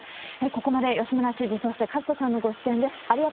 ここまで吉村知事、そして勝田さんのご出演です。